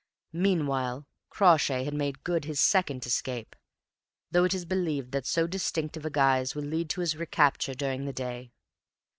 Meanwhile Crawshay had made good his second escape, though it is believed that so distinctive a guise will lead to his recapture during the day.'